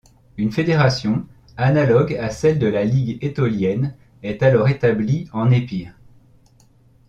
Une fédération, analogue à celle de la Ligue étolienne, est alors établie en Épire.